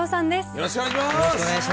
よろしくお願いします。